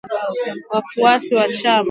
wafuasi wa chama tawala cha